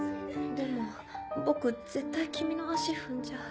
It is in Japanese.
でも僕絶対君の足踏んじゃう。